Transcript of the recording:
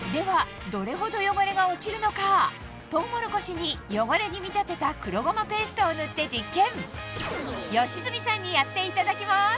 ではどれほど汚れが落ちるのか、トウモロコシに汚れに見立てた黒ごまペーストを塗って実験。